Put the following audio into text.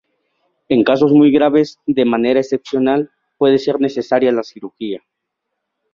En casos muy graves, de manera excepcional, puede ser necesaria la cirugía.